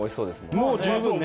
もう十分ね